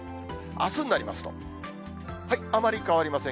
あすになりますと、あまり変わりません。